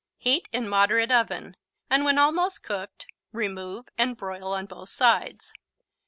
Heat in moderate oven, and when almost cooked, remove and broil on both sides.